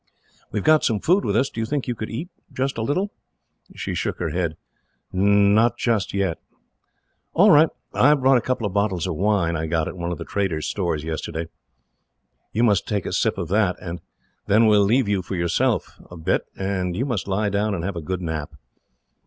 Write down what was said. "We have got some food with us. Do you think you could eat, a little?" She shook her head. "Not just yet." "All right. I have brought a couple of bottles of wine I got at one of the traders' stores, yesterday. You must take a sip of that, and then we will leave you to yourself for a bit, and you must lie down and have a good nap."